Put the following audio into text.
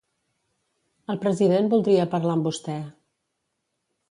El president voldria parlar amb vostè.